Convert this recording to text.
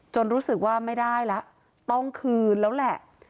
รู้สึกว่าไม่ได้แล้วต้องคืนแล้วแหละ